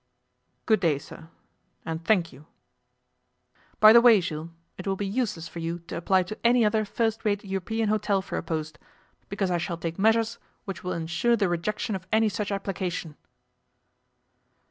'Good day, sir. And thank you.' 'By the way, Jules, it will be useless for you to apply to any other first rate European hotel for a post, because I shall take measures which will ensure the rejection of any such application.